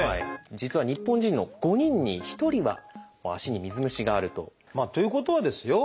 実は日本人の５人に１人は足に水虫があると。ということはですよ